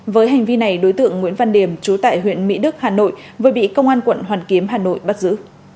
với hành vi này đối tượng nguyễn văn điểm trú tại huyện mỹ đức hà nội vừa bị công an quận hoàn kiếm hà nội bắt giữ